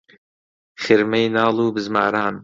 خرمەی ناڵ و بزماران